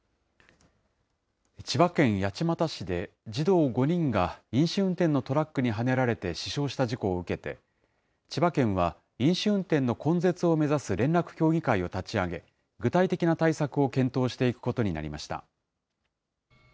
千葉県八街市で、児童５人が飲酒運転のトラックにはねられて、死傷した事故を受けて、千葉県は、飲酒運転の根絶を目指す連絡協議会を立ち上げ、具体的な対策を検討していくことになりました。